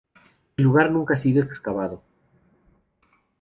El lugar nunca ha sido excavado.